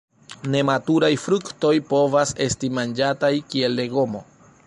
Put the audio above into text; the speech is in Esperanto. Nematuraj fruktoj povas esti manĝataj kiel legomo.